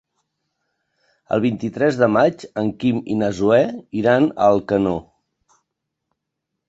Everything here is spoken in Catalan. El vint-i-tres de maig en Quim i na Zoè iran a Alcanó.